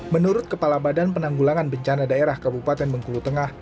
menurut kepala badan penanggulangan bencana daerah kabupaten bengkulu tengah